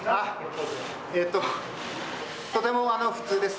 えっと、とても普通です。